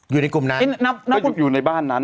อยู่ในกลุ่มนั้นนะครับน้ำโคตรอยู่ในบ้านนั้นนะครับ